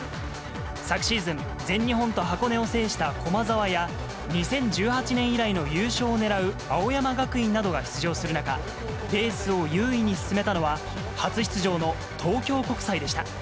昨シーズン、全日本と箱根を制した駒澤や、２０１８年以来の優勝をねらう青山学院などが出場する中、レースを優位に進めたのは、初出場の東京国際でした。